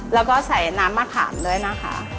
แล้วก็ใส่น้ำมะขามด้วยนะคะ